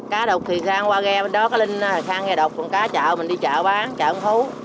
cá đục thì sang qua ghe bên đó cá linh sang ghe đục còn cá chợ mình đi chợ bán chợ an phú